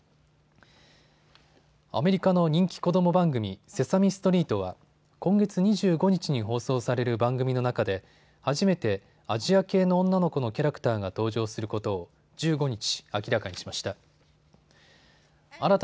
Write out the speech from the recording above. アメリカの人気子ども番組、セサミストリートは今月２５日に放送される番組の中で初めてアジア系の女の子のキャラクターが登場することを１５日、明らかにしました。